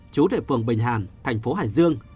chú thể phường bình hàn thành phố hải dương